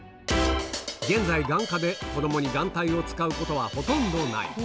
現在、眼科で子どもに眼帯を使うことはほとんどない。